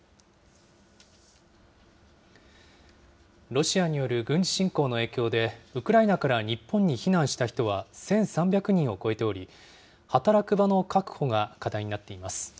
ロシアによる軍事侵攻の影響で、ウクライナから日本に避難した人は１３００人を超えており、働く場の確保が課題になっています。